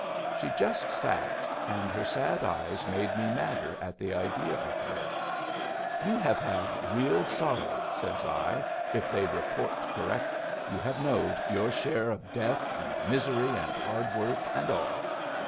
She just sat, and her sad eyes made me madder at the idea of her. 'You have had real sorrow,' says I, 'if they report correct. You have knowed your share of death, and misery, and hard work, and all.